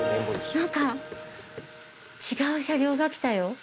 何か違う車両が来たよ